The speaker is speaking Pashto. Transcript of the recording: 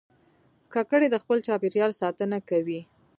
کاکړي د خپل چاپېریال ساتنه کوي.